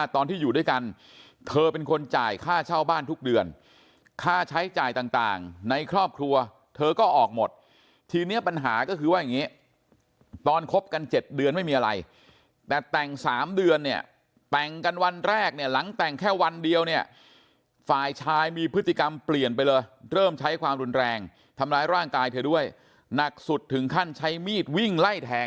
ตอนที่อยู่ด้วยกันเธอเป็นคนจ่ายค่าเช่าบ้านทุกเดือนค่าใช้จ่ายต่างในครอบครัวเธอก็ออกหมดทีนี้ปัญหาก็คือว่าอย่างนี้ตอนคบกัน๗เดือนไม่มีอะไรแต่แต่ง๓เดือนเนี่ยแต่งกันวันแรกเนี่ยหลังแต่งแค่วันเดียวเนี่ยฝ่ายชายมีพฤติกรรมเปลี่ยนไปเลยเริ่มใช้ความรุนแรงทำร้ายร่างกายเธอด้วยหนักสุดถึงขั้นใช้มีดวิ่งไล่แทง